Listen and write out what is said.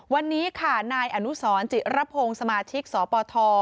วันนี้ค่ะนายอนุสรจิระพงศ์สมาชิกสปท